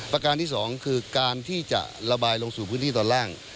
ประการที่สองคือการที่จะระบายลงสู่พื้นที่ตอนล่าง